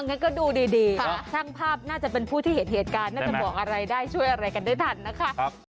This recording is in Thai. งั้นก็ดูดีช่างภาพน่าจะเป็นผู้ที่เห็นเหตุการณ์น่าจะบอกอะไรได้ช่วยอะไรกันได้ทันนะคะ